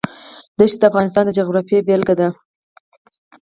دښتې د افغانستان د جغرافیې بېلګه ده.